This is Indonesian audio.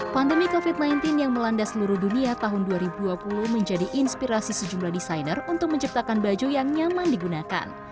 pandemi covid sembilan belas yang melanda seluruh dunia tahun dua ribu dua puluh menjadi inspirasi sejumlah desainer untuk menciptakan baju yang nyaman digunakan